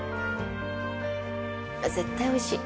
絶対おいしい。